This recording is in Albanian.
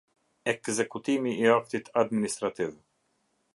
Ekzekutimi i aktit administrativ.